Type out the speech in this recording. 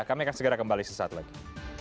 kami akan segera kembali sesaat lagi